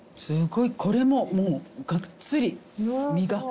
すごいこれももうがっつり身が。